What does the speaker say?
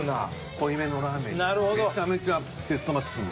濃いめのラーメンにめちゃめちゃベストマッチするの。